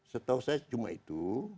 setahu saya cuma itu